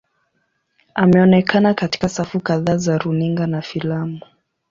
Ameonekana katika safu kadhaa za runinga na filamu.